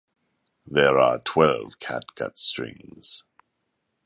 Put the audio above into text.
There are twelve catgut strings.